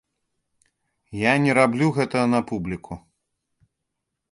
Я не раблю гэта на публіку.